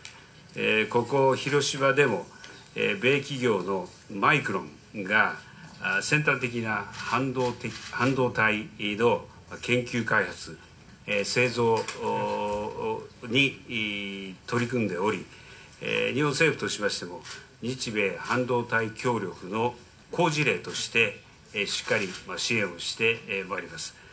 ここ、広島でも米企業のマイクロンが先端的な半導体の研究・開発・製造に取り組んでおり、日本政府としましても、日米半導体協力の好事例としてしっかり支援をしてまいります。